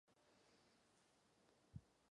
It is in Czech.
Rodina se odstěhovala do rakouské Solné komory.